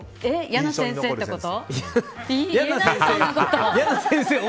嫌な先生ってこと？